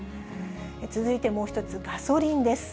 続いてもう１つ、ガソリンです。